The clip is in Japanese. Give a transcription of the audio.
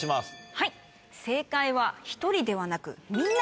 はい正解は１人ではなく。